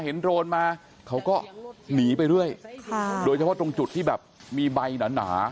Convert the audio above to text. โดรนมาเขาก็หนีไปเรื่อยโดยเฉพาะตรงจุดที่แบบมีใบหนาหนา